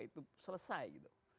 itu selesai gitu